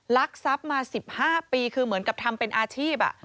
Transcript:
ลักทรัพย์มา๑๕ปีคือเหมือนกับทำเป็นอาชีพ